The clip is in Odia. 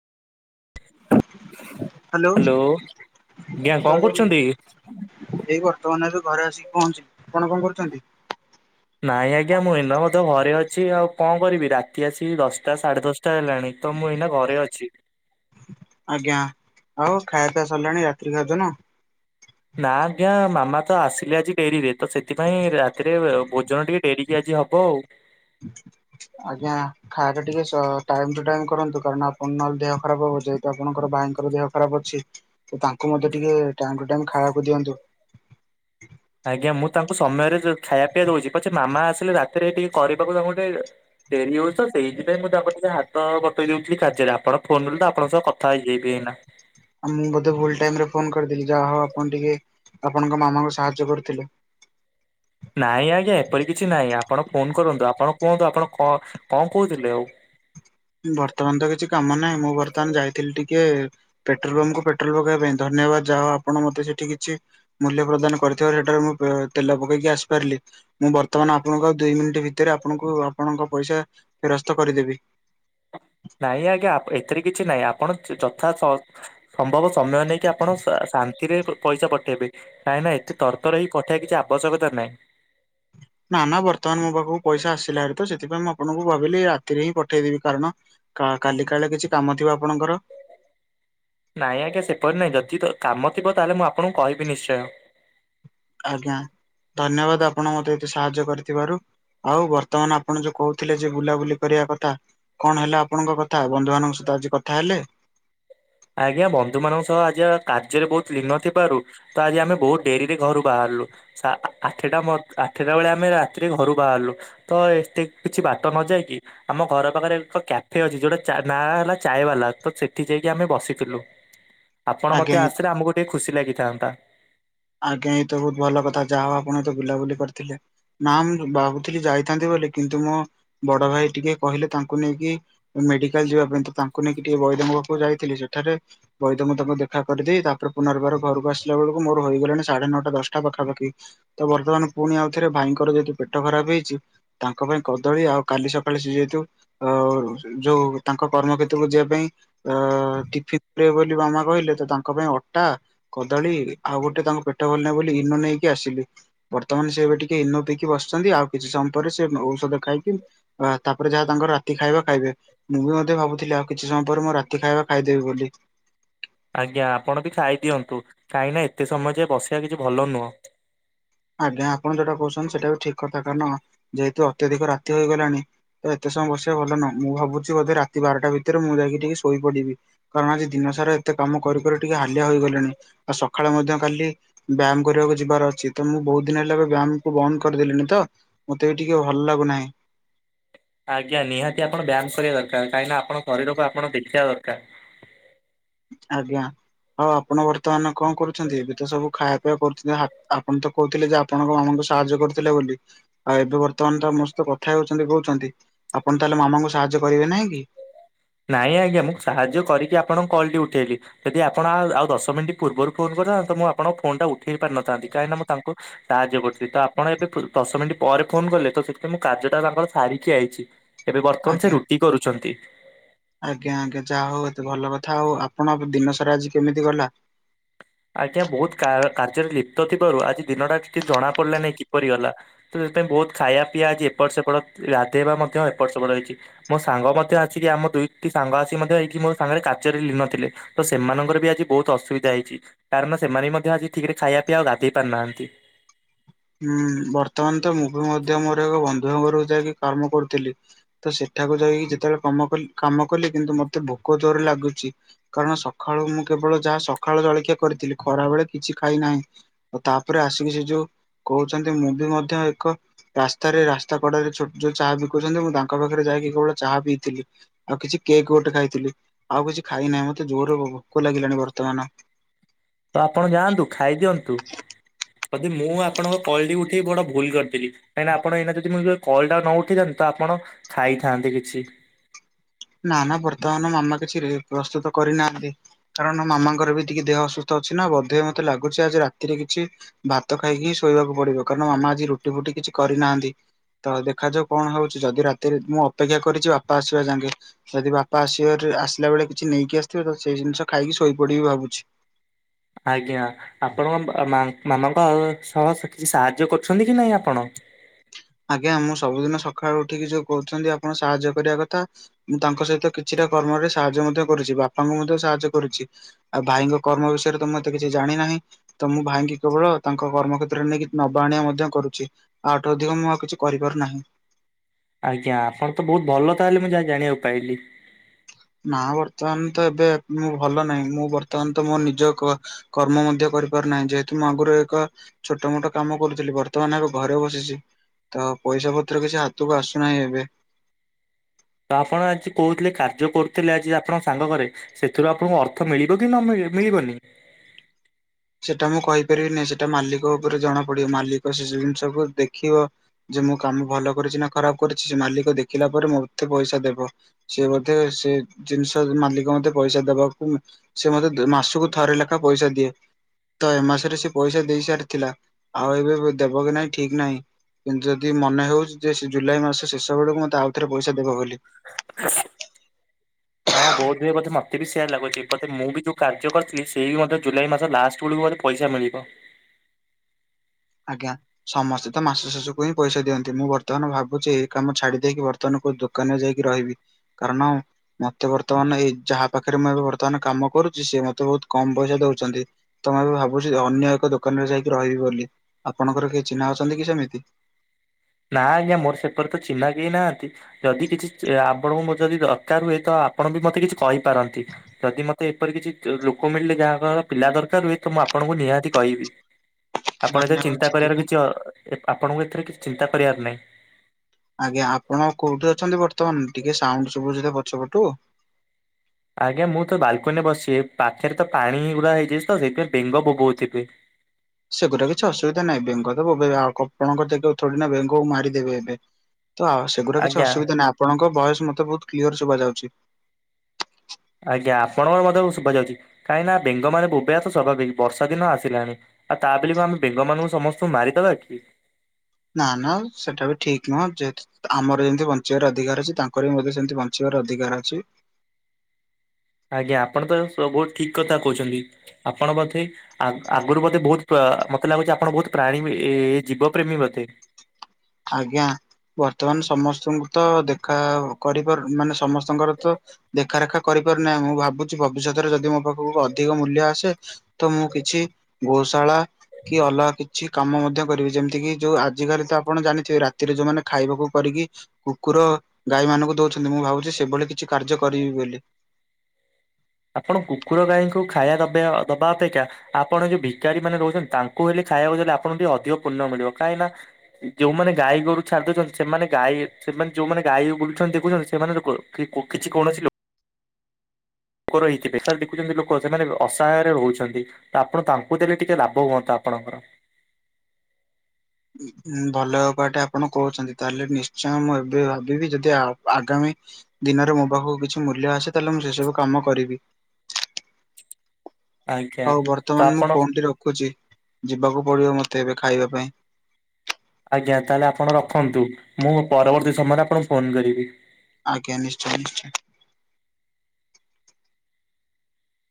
ହ୍ୟାଲୋ ହ୍ୟାଲୋ ଜୟ ଆଜ୍ଞା କଣ କରୁଛନ୍ତି। ଜଗନ୍ନାଥ ଏଇ ବର୍ତ୍ତମାନ ଏବେ ଘରେ ଆସିକି ପହଞ୍ଚିଲି ଆପଣ କଣ କରୁଛନ୍ତି। ନାଇଁ ଆଜ୍ଞା ମୁଁ ଏଇନା ମଧ୍ୟ ଘରେ ଅଛି ଆଉ କଣ କରିବି ରାତି ଆସି ଦଶଟା ସାଢେ ଦଶ ଟା ହେଲାଣି ତ ମୁଁ ଏଇନା ଘରେ ଅଛି। ଆଜ୍ଞା ଆଉ ଖାଇପିଆ ସରିଲାଣି ରାତ୍ରି ଭୋଜନ। ନା ଆଜ୍ଞା ମାମା ତ ଆସିଲେ ଆଜି ଡେରିରେ ତ ସେଥିପାଇଁ ରାତିରେ ଭୋଜନ ଟିକେ ଡେରିିକି ଆଜି ହ ହଉ। ଆଜ୍ଞା। ଖାଇବା ଟିକେ ସ ଟାଇମ୍‌ଟୁ ଟାଇମ୍ କରନ୍ତୁ କାରଣ ଆପଣ ନହେଲେ ଦେହ ଖରାପ ହବ ଯେହେତୁ ଆପଣଙ୍କର ଭାଇଙ୍କର ଦେହ ଖରାପ ଅଛି। ତାଙ୍କୁ ମଧ୍ଯ ଟିକେ ଟାଇମ୍ ଟୁ ଟାଇମ୍ ଖାଇବାକୁ ଦିଅନ୍ତୁ। ଆଜ୍ଞା ମୁଁ ତାଙ୍କୁ ସମୟରେ ଯେ ଖାଇବା ପିଇବା ଦଉଛି ପଛେ ମାମା ଆସିଲେ ରାତିରେ ଟିକେ କରିବାକୁ ତାଙ୍କୁ ଟିକେ ଡେରି ହଉଛି ସେଇଥିପାଇଁ ମୁଁ ତାଙ୍କୁ ଟିକେ ହାତ ବତେଇ ଦଉଥିଲି କାର୍ଯ୍ୟରେ ଆପଣ ଫୋନ କଲେ ତ ଆପଣଙ୍କ ସହ କଥା ହେଇଯିଵି ଏଇନା। ଆଉ ମୁଁ ବୋଧେ ଭୁଲ ଟାଇମରେ ଫୋନ କରିଦେଲି ଯାହାହଉ ଆପଣ ଟିକେ ଆପଣଙ୍କ ମାମାଙ୍କୁ ସାହାଯ୍ୟ କରିୁଥିଲେ। ନାଇଁ ଆଜ୍ଞା ଏପରି କିଛି ନାହିଁ ଆପଣ ଫୋନ କରନ୍ତୁ ଆପଣ କୁହନ୍ତୁ ଆପଣ କଣ କଣ କହୁଥିଲେ ଆଉ। ବର୍ତ୍ତମାନ ତ କିଛି କାମ ନାହିଁ ମୁଁ ବର୍ତ୍ତମାନ ଯାଇଥିଲି ଟିକେ ପେଟ୍ରୋଲ ପମ୍ପକୁ ପେଟ୍ରୋଲ ପକେଇବା ପାଇଁ ଧନ୍ୟବାଦ ଯାହା ହଉ ଆପଣ ମତେ ସେଠି କିଛି ମୂଲ୍ୟ ପ୍ରଦାନ କରିଥିବାରୁ ସେଠାରେ ମୁଁ ପେ ତେଲ ପକେଇକି ଆସିପାରିଲି। ମୁଁ ବର୍ତ୍ତମାନ ଆପଣଙ୍କ ଦୁଇ ମିନିଟ୍ ଭିତରେ ଆପଣଙ୍କୁ ଆପଣଙ୍କ ପଇସା ଫେରସ୍ତ କରିଦେବି। ନାଇଁ ଆଜ୍ଞା ଆପ ଏଥିରେ କିଛି ନାଇଁ ଆପଣ ଯଥା ସ ସମ୍ଭବ ସମୟ ନେଇକି ଆପଣ ସା ଶାନ୍ତିରେ ପଇସା ପଠେଇବେ କାଇଁ ନା ଏତେ ତରତର ହେଇ ପଠେଇବା କିଛି ଆବଶ୍ୟକତା ନାହିଁ। ନା ନା ବର୍ତ୍ତମାନ ମୋ ପାଖକୁ ପଇସା ଆସିଲାତ ସେଥିପାଇଁ ମୁଁ ଆପଣଙ୍କୁ ଭାବିଲି ରାତିରେହିଁ ପଠେଇଦେବି କାରଣ। କା କାଲି କାଳେ କିଛି କାମଥିବ ଆପଣଙ୍କର। ନାଇଁ ଆଜ୍ଞା ସେପରି ନାଇଁ ଯଦିତ କାମଥିବ ତାହେଲେ ମୁଁ ଆପଣଙ୍କୁ କହିବି ନିଶ୍ଚୟ। ଆଜ୍ଞା ଧନ୍ୟବାଦ ଆପଣ ମତେ ଏତେ ସାହାଯ୍ୟ କରିଥିବାରୁ। ଆଉ ବର୍ତ୍ତମାନ ଆପଣ ଯୋଉ କହୁଥିଲେଯେ ବୁଲାବୁଲି କରିବା କଥା। କଣ ହେଲା ଆପଣଙ୍କ କଥା ବନ୍ଧୁ ମାନଙ୍କ ସହିତ ଆଜି କଥାହେଲେ? ଆଜ୍ଞା ବନ୍ଧୁ ମାନଙ୍କ ସହ ଆଜି ଆ କାର୍ଯ୍ୟରେ ବହୁତ ଲୀନ ଥିବାରୁ। ତ ଆଜି ଆମେ ବହୁତ ଡେରିରେ ଘରୁ ବାହାରିଲୁ। ଆଚ୍ଛା ଆ ଆ ଆଠଟା ମୋର ଆଠଟା ବେଳେ ଆମେ ରାତିରେ ଘରୁ ବାହାରିଲୁ। ତ ଏତେ କିଛି ବାଟ ନଯାଇକି। ଆମ ଘର ପାଖରେ ଏକ କ୍ୟାଫେ ଅଛି ଯୋଉଟା ଚା ନାଁ ହେଲା ଚାଏ ବାଲା ତ ସେଠି ଯାଇକି ଆମେ। ବସିଥିଲୁ ଆପଣ ଆଜ୍ଞା ମଧ୍ଯ ଏଇ ଆସିଲେ ଆମକୁ ଟିକିଏ ଖୁସି ଲାଗିଥାନ୍ତା। ଆଜ୍ଞା ଏଇତ ବହୁତ ଭଲକଥା ଯାହାହଉ ଆପଣତ ବୁଲାବୁଲି କରିଥିଲେ। ନାଁ ମୁଁ ଭାବୁଥିଲି ଯାଇଥାନ୍ତି ବୋଲି କିନ୍ତୁ ମୋ ବଡଭାଇ ଟିକିଏ କହିଲେ ତାଙ୍କୁ ନେଇକି। ମେଡିକାଲ ଯିବାପାଇଁକିତ ତାଙ୍କୁ ନେଇକି ଟିକିଏ ବୈଦଙ୍କ ପାଖକୁ ଯାଇଥିଲି ସେଠାରେ। ବୈଦଙ୍କୁ ତାଙ୍କୁ ଦେଖା କରିଦେଇ ତାପରେ ପୁନର୍ବାର ଘରକୁ ଆସିଲା ବେଳକୁ ମୋର। ରହିଗଲେଣି ସାଢେ ନଅଟା ଦଶଟା ପାଖାପାଖି। ତ ବର୍ତ୍ତମାନ ପୁଣି ଆଉଥରେ ଭାଇଙ୍କର ଯଦି ପେଟ ଖରାପ ହେଇଛି। ତାଙ୍କ ପାଇଁ କଦଳୀ ଆଉ କାଲି ସକାଳେ ସିଝେଇ ଥିବୁ। ଅ ଯୋଉ ତାଙ୍କ କର୍ମକ୍ଷେତ୍ରକୁ ଯିବାପାଇଁ। ଅ ଟିଫିନ ଦେବେବୋଲି ମାମା କହିଲେ ତ ତାଙ୍କ ପାଇଁ ଅଟା କଦଳୀ। ଆଉ ଗୋଟେ ତାଙ୍କ ପେଟ ଭଲନାହିଁ ବୋଲିକି ଇନୋ ନେଇକି ଆସିଲି। ବର୍ତ୍ତମାନ ସେ ଏବେ ଟିକିଏ ଇନୋ ପିଇକି ବସିଛନ୍ତି ଆଉ କିଛି ସମୟ ପରେ ସେ ଔଷଧ ଖାଇକି ତାପରେ ଯାହା ତାଙ୍କର ରାତି ଖାଇବା ଖାଇବେ। ମୁଁବି ମଧ୍ୟ ଭାବୁଥିଲି ଆଉ କିଛି ସମୟ ପରେ ମୁଁ ରାତି ଖାଇବା ଖାଇଦେବି ବୋଲି। ଆଜ୍ଞା ଆପଣବି ଖାଇଦିଅନ୍ତୁ କାହିଁକିନା ଏତେ ସମୟ ଯାଏ ବସିବା କିଛି ଭଲନୁହଁ। ଆଜ୍ଞା ଆପଣ ଯୋଉଟା କହୁଛନ୍ତି ସେଇଟାବି ଠିକ କଥା କାରଣ ଯେହେତୁ ଅତ୍ୟଧିକ ରାତି ହୋଇଗଲାଣି। ତ ଏତେ ସମୟ ବସିବା ଭଲନୁହଁ ମୁଁ ଭାବୁଛି ବୋଧେ ରାତି ବାରଟା ଭିତରେ ମୁଁ ଯାଇକି ଟିକିଏ ଶୋଇ ପଡିବି। କାରଣ ଆଜି ଦିନସାରା ଏତେ କାମ କରି କରି ଟିକିଏ ହାଲିଆ ହୋଇଗଲିଣି। ଆଉ ସକାଳେ ମଧ୍ୟ କାଲି ବ୍ୟାୟାମ କରିବାକୁ ଯିବାର ଅଛି। ତ ମୁଁ ବହୁତ ଦିନ ହେଲା ଏବେ ବ୍ୟାୟାମକୁ ବନ୍ଦ କରିଦେଲିଣିତ ମତେବି ଟିକିଏ ଭଲଲାଗୁନାହିଁ। ଆଜ୍ଞା ନିହାତି ଆପଣ ବାୟାମ କରିବା ଦରକାର କାହିଁକିନା ଆପଣ ଶରୀରକୁ ଆପଣ ଦେଖିବା ଦରକାର। ଆଜ୍ଞା ହଉ ଆପଣ ବର୍ତ୍ତମାନ କଣ କରୁଛନ୍ତି ଏବେତ ସବୁ ଖାଇବା ପିଇବା କରୁଛନ୍ତି ଆପଣତ। କହୁଥିଲେଯେ ଆପଣଙ୍କ ମାମୁଁକୁ ସାହାଯ୍ୟ କରୁଥିଲେ ବୋଲି। ଆଉ ଏବେ ବର୍ତ୍ତମାନତ ମୋ ସହିତ କଥା ହଉଛନ୍ତି କହୁଛନ୍ତି ଆପଣ ତାହେଲେ ମାମୁଁଙ୍କୁ ସାହାଯ୍ୟ କରିବେ ନାହିଁକି। ନାଇଁ ଆଜ୍ଞା ମୁଁ ସାହାଯ୍ୟ କରିକି ଆପଣଙ୍କ କଲଟି ଉଠେଇଲି। ଯଦି ଆପଣ ଆଉ ଆଉ ଦଶ ମିନିଟ ପୂର୍ବରୁ ଫୋନ କରିଥାନ୍ତେ ମୁଁ ଆପଣଙ୍କ ଫୋନଟା ଉଠେଇ ପାରିନଥାନ୍ତି କାହିଁକିନା ମୁଁ ତାଙ୍କୁ ସାହାଯ୍ୟ କରୁଛି ତ ଆପଣ ଏବେ ଫୁର ଦଶମିଣ୍ଟି ପରେ ଫୋନ କଲେତ ସେଥିପାଇଁ ମୁଁ କାର୍ଯ୍ୟଟା ତାଙ୍କର ସାରିକି ଆଇଛି। ଏବେ ବର୍ତ୍ତମାନ ସେ ଆଜ୍ଞା ରୁଟି କରୁଛନ୍ତି। ଆଜ୍ଞା ଆଜ୍ଞା ଯାହାହଉ ଏତେ ଭଲକଥା ଆଉ ଆପଣ ଦିନସାରା ଆଜି କେମିତି ଗଲା? ଆଜ୍ଞା ବହୁତ କା କାକାର୍ଯ୍ୟରେ ଲିପ୍ତଥିବାରୁ ଆଜି ଦିନଟା କିଛି ଜଣା ପଡିଲାନାହିଁ କିପରି ଗଲା। ତ ସେଥିାଇଁ ବହୁତ ଖାଇବା ପିଇବା ଆଜି ଏପଟ ସେପଟ ଗାଧୋଇେଇବା ମଧ୍ୟ ଏପଟ ସେପଟ ହେଇଛି। ମୋ ସାଙ୍ଗ ମଧ୍ୟ ଆସିକି ଆମ ଦୁଇଟି ସାଙ୍ଗ ଆସି ମଧ୍ୟ ଏଇଠି ମୋ ସାଙ୍ଗରେ କାର୍ଯ୍ୟରେ ଲିନଥିଲେ। ତ ସେମାନଙ୍କରବି ଆଜି ବହୁତ ଅସୁବିଧା ହେଇଛି କାରଣ ସେମାନେବି ମଧ୍ୟ ଆଜି ଠିକରେ ଖାଇବା ପିଇବା ଆଉ ଗାଧେଇ ପାରୁନାହାନ୍ତି। ଉୁଁ ବର୍ତ୍ତମାନତ ମୁଁବି ମଧ୍ୟ ମୋର ଏକ ବନ୍ଧୁ ଘରକୁ ଯାଇକି କାମ କରୁଥିଲି। ତ ସେଠାକୁ ଯାଇକି ଯେତେବେଳେ କାମ କଲି କାମ କଲି କିନ୍ତୁ ମତେ ଭୋକ ଜୋରେ ଲାଗୁଛି। କାରଣ ସକାଳୁ ମୁଁ କେବଳ ଯାହା ସକାଳୁ ଜଳଖିଆ କରିଥିଲି ଖରା ବେଳେ କିଛି ଖାଇନାହିଁ। ଆଉ ତାପରେ ଆସିକି ସେ ଯୋଉ କହୁଛନ୍ତି ମୁଁ ବି ମଧ୍ୟ ଏକ ରାସ୍ତାରେ ରାସ୍ତା କଡରେ ଛୋ ଯୋଉ ଚାହା ବିକୁଉଛନ୍ତି ମୁଁ ତାଙ୍କ ପାଖରେ ଯାଇକି କେବଳ ଚାହା ପିଇଥିଲି। ଆଉ କିଛି କେକ୍ ଗୋଟେ ଖାଇଥିଲି ଆଉ କିଛି ଖାଇନାହିଁ ମତେ ଜୋର ଭୋକ ଲାଗିଲାଣି ବର୍ତ୍ତମାନ। ତ ଆପଣ ଯାଆନ୍ତୁ ଖାଇଦିଅନ୍ତୁ ଯଦି ମୁଁ ଆପଣଙ୍କ କଲ୍ ଟିକୁ ଉଠେଇ ବଡ଼ ଭୁଲ୍ କରିଦେଲି। କାହିଁକି ଆପଣ ଏଇନା ଯଦି ମୁଁ କଲଟା ନ ଉଠିଥାନ୍ତେ ତ ଆପଣ ଖାଇଥାନ୍ତେ କିଛି। ନା ନା ବର୍ତ୍ତମାନ ମାମା କିଛି ରେ ପ୍ରସ୍ତୁତ କରିନାହାନ୍ତି। କାରଣ ମାମାଙ୍କ ର ବି ଟିକେ ଦେହ ଅସୁସ୍ଥ ଅଛି ନା ବୋଧେ ମତେ ଲାଗୁଛି ଆଜି ରାତିରେ କିଛି ଭାତ ଖାଇକି ହିଁ ଶୋଇବାକୁ ପଡିବ କାରଣ ମାମା ଆଜି ରୁଟି ଫୁଟି କିଛି କରିନାହାନ୍ତି। ତ ଦେଖାଯାଉ କଣ ହଉଛି ଯଦି ରାତିରେ ମୁଁ ଅପେକ୍ଷା କରିଛି ବାପା ଆସିବା ଜାଙ୍ଗେ। ଯଦି ବାପା ଆସିବ ଆସିଲା ବେଳେ କିଛି ନେଇକି ଆସିଥିବେ ତ ସେଇ ଜିନିଷ ଖାଇକି ଶୋଇପଡିବି ଭାବୁଛି। ଆଜ୍ଞା ଆପଣଙ୍କ ମା ମାଆ ଙ୍କ ସହ କିଛି ସାହାଯ୍ୟ କରୁଛନ୍ତି କି ନାହିଁ ଆପଣ? ଆଜ୍ଞା ମୁଁ ସବୁଦିନ ସକାଳୁ ଉଠିକି ଯୋଉ କହୁଛନ୍ତି ଆପଣ ସାହାଯ୍ୟ କରିବା କଥା ମୁଁ ତାଙ୍କ ସହିତ କିଛିଟା କର୍ମରେ ସାହାଯ୍ୟ ମଧ୍ୟ କରୁଛି ବାପାଙ୍କୁ ମଧ୍ୟ ସାହାଯ୍ୟ କରୁଛି। ଆଉ ଭାଇଙ୍କ କର୍ମ ବିଷୟରେ ତ ମୁଁ ଏତେ କିଛି ଜାଣିନାହିଁ। ତ ମୁଁ ଭାଇଙ୍କି କେବଳ ତାଙ୍କ କର୍ମ କ୍ଷେତ୍ର ରେ ନେଇକି ନବା ଆଣିବା ମଧ୍ୟ କରୁଛି ଆଠୁ ଅଧିକ ମୁଁ କିଛି କରିପାରୁ ନାହିଁ। ଆଜ୍ଞା ଆପଣ ତ ବହୁତ ଭଲ ତାହେଲେ ମୁଁ ଯାହା ଜାଣିବାକୁ ପାଇଲି। ନା ବର୍ତ୍ତମାନ ତ ଏବେ ମୁଁ ଭଲ ନାହିଁ ମୁଁ ବର୍ତ୍ତମାନ ତ ମୋ ନିଜ କର୍ମ ମଧ୍ୟ କରିପାରୁନାହିଁ ଯେହେତୁ ମୁଁ ଆଗରୁ ଏକ ଛୋଟ ମୋଟ କାମ କରୁଥିଲି ବର୍ତ୍ତମାନ ଏବେ ଘରେ ବସିଛି। ତ ପଇସା ପତ୍ର କିଛି ହାତକୁ ଆସୁନାହିଁ ଏବେ। ତ ଆପଣ ଆଜି କହୁଥିଲେ କାର୍ଯ୍ୟ କରୁଥିଲେ ଆଜି ଆପଣଙ୍କ ସାଙ୍ଗ ଘରେ ସେଥିରୁ ଆପଣଙ୍କୁ ଅର୍ଥ ମିଳିବ କି ନ ମିଳି ମିଳିବନି? ସେଟା ମୁଁ କହିପାରିବି ନାହିଁ ସେଟା ମାଲିକ ଉପରେ ଜଣା ପଡିବ ମାଲିକ ସେ ଜିନିଷକୁୁ ଦେଖିବ। ଯେ ମୁଁ କାମ ଭଲ କରିଛି ନା ଖରାପ କରିଛି ସେ ମାଲିକ ଦେଖିଲା ପରେ ମୋତେ ପଇସା ଦେବ। ସିଏ ବୋଧେ ସେ ଜିନିଷ ମାଲିକ ମୋତେ ପଇସା ଦବାକୁ ସେ ମତେ ଦେ ମାସକୁ ଥରେ ଲେଖା ପଇସା ଦିଏ। ତ ଏ ମାସରେ ସେ ପଇସା ଦେଇ ସାରିଥିଲା ଆଉ ଏବେ ଦେବ କି ନହିଁ ଠିକ ନାହିଁ। କିନ୍ତୁ ଯଦି ମନେ ହଉଛି ଯେ ଜୁଲାଇ ମାସ ଶେଷ ବେଳକୁ ମତେ ଆଉଥରେ ପଇସା ଦେବ ବୋଲି। ହଁ ବୋଧ୍ ହୁଏ ବୋଧେ ମତେ ବି ସେୟା ଲାଗୁଛି ବୋଧେ ମୁଁ ବି ଯୋଉ କାର୍ଯ୍ୟ କରିଥିଲି ସେ ବି ମଧ୍ୟ ଜୁଲାଇ ମାସ ଲାଷ୍ଟ୍ ବେଳକୁ ବୋଧେ ପଇସା ମିଳିବ। ଆଜ୍ଞା। ସମସ୍ତେ ତ ମାସ ଶେଷ କୁ ହିଁ ପଇସା ଦିଅନ୍ତି ମୁଁ ବର୍ତ୍ତମାନ ଭାବୁଛି ଏଇ କାମ ଛାଡି ଦେଇକି ବର୍ତ୍ତମାନ କଉ ଦୋ ଦୋକାନ ଯାଇକି ରହିବି କାରଣ ମତେ ବର୍ତ୍ତମାନ ଏଇ ଯାହା ପାଖରେ ମୁଁ ଏ ବର୍ତ୍ତମାନ କାମ କରୁଛି ସେ ମତେ ବହୁତ କମ୍ ପଇସା ଦଉଛନ୍ତି। ତ ମୁଁ ଏବେ ଭାବୁଛି ଅନ୍ୟ ଏକ ଦୋକାନ ରେ ଯାଇକି ରହିବି ବୋଲି ଆପଣଙ୍କର କେ ଚିହ୍ନା ଅଛନ୍ତି କି ସେମିତି? ନା ଆଜ୍ଞା ମୋର ସେପରେ ତ ଚିହ୍ନା କେହି ନାହାନ୍ତି। ଯଦି କିଛି ଆପଣଙ୍କୁ ମୋ ଯଦି ଦରକାର ହୁଏ ତ ଆପଣ ବି ମତେ କିଛି କହିପାରନ୍ତି। ଯଦି ମତେ ଏପରି କିଛି ଲୋକ ମିଳିଲେ ଯାହାଙ୍କ ପିଲା ଦରକାର ହୁଏ ତ ମୁଁ ଆପଣଙ୍କୁ ନିହାତି କହିବି। [unintelligible] ଆପଣ ଏଥିରେ ଧନ୍ୟବାଦ ଚିନ୍ତା କରିବାର ସେଥିପାଇଁ। କିଛି ଅ ଆପଣଙ୍କୁ ଏଥିରେ କିଛି ଚିନ୍ତା କରିବାର ନାହିଁ। ଆଜ୍ଞା ଆପଣ କୋଉଠି ଅଛନ୍ତି ବର୍ତ୍ତମାନ ଟିକେ ସାଉଣ୍ଡ ସବୁଚି ତ ପଛ ପଟୁ। ଆଜ୍ଞା ମୁଁ ତ ବାଲକୁନିରେ ବସିିବି ପାଖରେ ତ ପାଣି ଗୁଡା ହେଇଯାଇଛି ତ ସେଇଥି ବେଙ୍ଗ ବୋବାଉଥିବେ। ସେଗୁଡ଼ା କିଛି ଅସୁବିଧା ନାହିଁ [unintelligible] ତ ସେଗୁଡା କିଛି ଆଜ୍ଞା ଅସୁବିଧା ନାହିଁ ଆପଣଙ୍କ ଭୟସ ମତେ ବହୁତ କ୍ଲିୟର ସୁୁବା ଯାଉଛି। ଆଜ୍ଞା ଆପଣଙ୍କର ମଧ୍ୟ ଶୁଭା ଯାଉଛି କାହିଁକିନା ବେଙ୍ଗ ମାନେ ବୋବେଇବାତ ସ୍ୱାଭାବିକ ବର୍ଷା ଦିନ ଆସିଲାଣି। ଆଉ ତା ବୋଲି ଆମେ ବେଙ୍ଗ ମାନଙ୍କୁ ସମସ୍ତଙ୍କୁ ମାରିଦବା କି? ନା ନା ସେଇଟା ବି ଠିକ୍ ନୁହଁ ଯେହେତୁ ଆମର ଯେମିତି [unintelligible] ଅଧିକାର ଅଛି ତାଙ୍କର ବି ମଧ୍ୟ ସେମିତି [unintelligible] ଆଜ୍ଞା ଆପଣ ତ ସ ବହୁତ ଠିକ କଥା କହୁଛନ୍ତି ଆପଣ [unintelligible] [unintelligible] ଆଜ୍ଞା ବର୍ତ୍ତମାନ ସମସ୍ତଙ୍କୁ ତ ଦେଖା [unintelligible] ଙ୍କର ତ ଦେଖାରେଖା କରିପାରୁନାହିଁ ମୁଁ ଭାବୁଛି ଭବିଷ୍ୟତରେ ଯଦି ମୋ ପାଖକୁ ଅଧିକ ମୂଲ୍ୟ ଆସେ ତ ମୁଁ କିଛି ଗୋଶାଳା କି ଅଲଗା କିଛି କାମ ମଧ୍ୟ କରିବି ଯେମିତି କି ଯୋଉ ଆଜିକାଲି ତ ଆପଣ ଜାଣିଥିବେ ରାତିରେ ଯୋଉମାନେ ଖାଇବାକୁ କରିକି କୁକୁର ଗାଈ ମାନଙ୍କୁ ଦଉଛନ୍ତି ମୁଁ ଭାବୁଛି ସେଭଳି କିଛି କାର୍ଯ୍ୟ କରିବି ବୋଲି। ଆପଣ କୁକୁର ଗାଈଙ୍କୁ ଖାଇବା ଦେବା ଦବା ଅପେକ୍ଷା ଆପଣ ଯୋଉ ଭିକାରୀ ମାନେ ରହୁଛନ୍ତି ତାଙ୍କୁ ହେଲେ ଖାଇବାକୁ ଗଲେ ଆପଣଙ୍କୁ ଟିକେ ଅଧିକ ପୁଣ୍ୟ ମିଳିବ କାହିଁକି ନା [unintelligible] [unintelligible] ଲୋକ ରହୁଥିବେ ସାର୍ ଦେଖୁଛନ୍ତି ଲୋକ ସେମାନେ ଅସହାୟରେ ରହୁଛନ୍ତି। ଆପଣ ତାଙ୍କୁ ଦେଲେ ଟିକେ ଲାଭ ହୁଅନ୍ତା ଆପଣଙ୍କର। ଭଲ ଉପାୟଟା ଆପଣ କହୁଛନ୍ତି ତାହେଲେ ନିଶ୍ଚୟ ମୁଁ ଏବେ ଭାବିବି ଯଦି ଆଗାମୀ ଦିନରେ ମୋ ପାଖକୁ କିଛି ମୂଲ୍ୟ ଆସେ ତାହେଲେ ମୁଁ ସେସବୁ କାମ କରିବି। ଆଜ୍ଞା ହଉ ତ ବର୍ତ୍ତମାନ ମୁଁ ଆପଣ ଫୋନ ଟି ରଖୁଛି ଯିବାକୁ ପଡିବ ମତେ ଏବେ ଖାଇବା ପାଇଁ। ଆଜ୍ଞା ତାହେଲେ ଆପଣ ରଖନ୍ତୁ। ମୁଁ ପରବର୍ତ୍ତୀ ସମୟରେ ଆପଣଙ୍କୁ ଫୋନ କରିବି। ଆଜ୍ଞା। ନିଶ୍ଚୟ ନିଶ୍ଚୟ।